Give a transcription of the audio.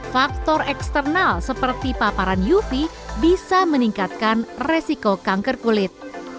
faktor eksternal seperti paparan uv bisa meningkatkan resiko kanker kulit